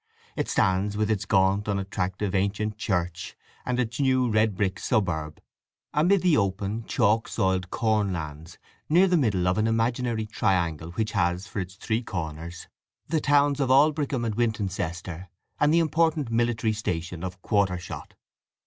It stands with its gaunt, unattractive, ancient church, and its new red brick suburb, amid the open, chalk soiled cornlands, near the middle of an imaginary triangle which has for its three corners the towns of Aldbrickham and Wintoncester, and the important military station of Quartershot.